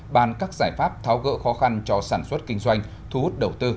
bàn các giải pháp tháo gỡ khó khăn cho sản xuất kinh doanh thu hút đầu tư